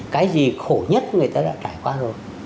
cái gì khổ nhất người ta đã trải qua rồi